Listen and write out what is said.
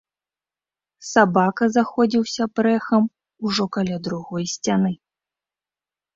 Сабака заходзіўся брэхам ужо каля другой сцяны.